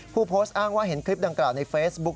ผู้โพสต์อ้างว่าเห็นคลิปดังกล่าวในเฟซบุ๊ค